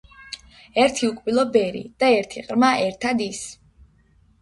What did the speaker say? ერთი უკბილო ბერი და ერთი ყრმა ერთად ის